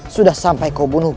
sudah sampai kau bunuh